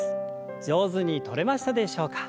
上手にとれましたでしょうか。